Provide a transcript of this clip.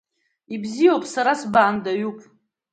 Ибзиоуп, сара сбаандаҩуп.